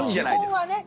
基本はね。